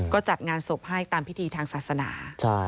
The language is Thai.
ก็จัดงานศพให้ตามพิธีทางศาสนา